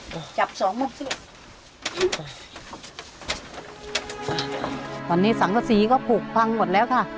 วันนี้สังฆษีก็ผูกพังหมดแล้วค่ะ